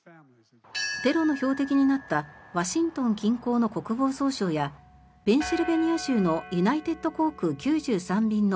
テロの標的になったワシントン近郊の国防総省やペンシルベニア州のユナイテッド航空９３便の